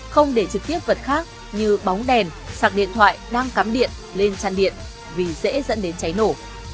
không để trực tiếp vật khác như bóng đèn sạc điện thoại đang cắm điện lên chăn điện vì dễ dẫn đến cháy nổ